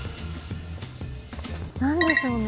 何でしょうね。